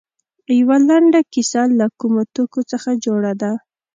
یوه لنډه کیسه له کومو توکو څخه جوړه ده.